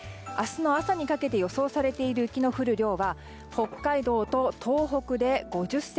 明日の朝にかけて予想されている雪の降る量は北海道と東北で５０ｃｍ